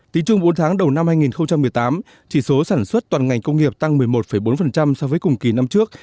tính chung bốn tháng đầu năm hai nghìn một mươi tám chỉ số sản xuất toàn ngành công nghiệp tăng một mươi một bốn so với cùng kỳ năm trước